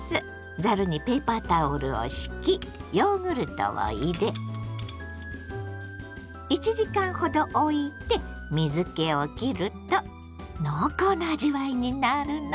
ざるにペーパータオルを敷きヨーグルトを入れ１時間ほどおいて水けをきると濃厚な味わいになるの。